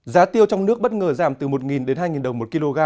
giá tiêu trong nước bất ngờ giảm từ một đến hai đồng một kg